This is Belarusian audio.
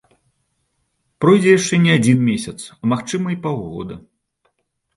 Пройдзе яшчэ не адзін месяц, а, магчыма, і паўгода.